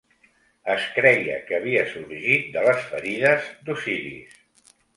Es creia que havia sorgit de les ferides d'Osiris.